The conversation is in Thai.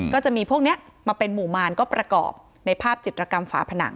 ก็จะมีพวกนี้มาเป็นหมู่มารก็ประกอบในภาพจิตรกรรมฝาผนัง